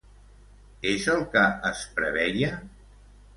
És el que es preveia?